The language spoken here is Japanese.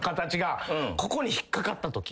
ここに引っ掛かったとき。